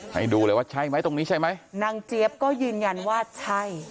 ให้ดูเลยว่าใช่ไหมตรงนี้ใช่ไหมนางเจี๊ยบก็ยืนยันว่าใช่